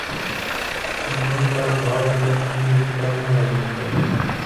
مړو ته دعا وکړئ مړي بېرته مه راژوندي کوئ.